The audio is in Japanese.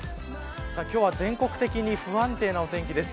今日は全国的に不安定なお天気です。